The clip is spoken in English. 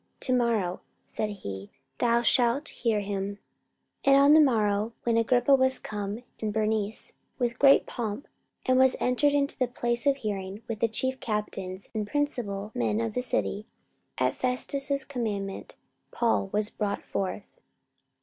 To morrow, said he, thou shalt hear him. 44:025:023 And on the morrow, when Agrippa was come, and Bernice, with great pomp, and was entered into the place of hearing, with the chief captains, and principal men of the city, at Festus' commandment Paul was brought forth.